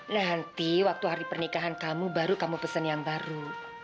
nanti waktu hari pernikahan kamu baru kamu pesen yang baru